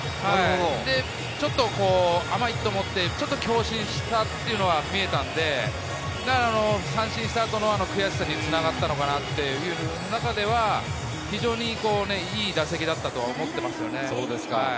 ちょっと甘いと思って強振したというのが見えたので、三振したあとの悔しさに繋がったのかなという中では非常にいい打席だったと思っています。